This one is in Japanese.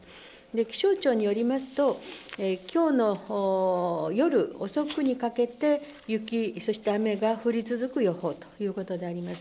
気象庁によりますと、きょうの夜遅くにかけて雪、そして雨が降り続く予報ということであります。